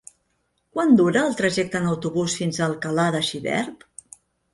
Quant dura el trajecte en autobús fins a Alcalà de Xivert?